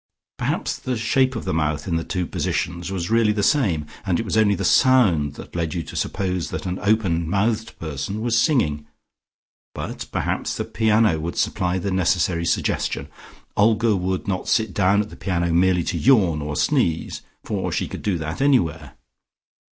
Perhaps the shape of the mouth in the two positions was really the same, and it was only the sound that led you to suppose that an open mouthed person was singing. But perhaps the piano would supply the necessary suggestion; Olga would not sit down at the piano merely to yawn or sneeze, for she could do that anywhere.